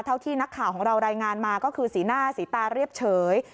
ที่นักข่าวของเรารายงานมาก็คือสีหน้าสีตาเรียบเฉย